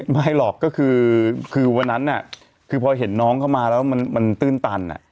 ไม่หรอกก็คือวันนั้นคือพอเห็นน้องเข้ามาแล้วมันตื้นตัน